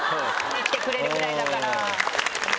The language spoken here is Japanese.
見に来てくれるぐらいだから。